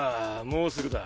もうすぐだ。